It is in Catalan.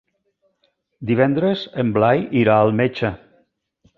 Divendres en Blai irà al metge.